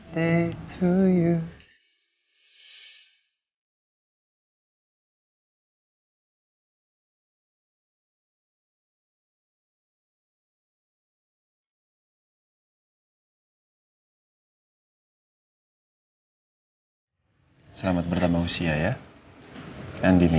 saat pernikahan pertama ku gagal hatiku mati